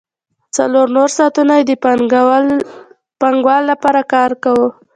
څلور نور ساعتونه یې د پانګوال لپاره کار کاوه